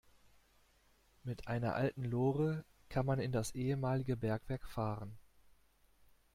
Mit einer alten Lore kann man in das ehemalige Bergwerk fahren.